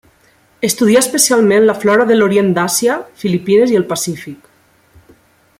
Estudià especialment la flora de l'orient d'Àsia, Filipines i el Pacífic.